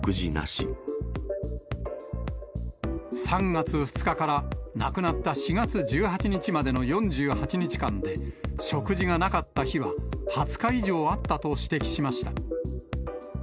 ３月２日から亡くなった４月１８日までの４８日間で、食事がなかった日は、２０日以上あったと指摘しました。